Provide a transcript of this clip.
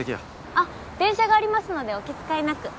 あ電車がありますのでお気遣いなく。